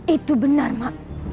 itu benar ma